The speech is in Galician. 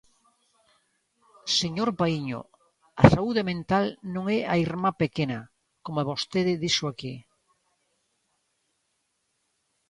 Señor Paíño, a saúde mental non é a irmá pequena, como vostede dixo aquí.